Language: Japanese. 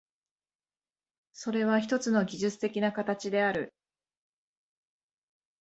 それはひとつの技術的な形である。